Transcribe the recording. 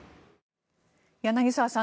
柳澤さん